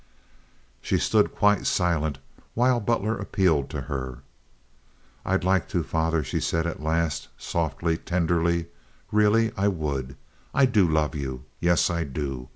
She stood quite silent while Butler appealed to her. "I'd like to, father," she said at last and softly, tenderly. "Really I would. I do love you. Yes, I do.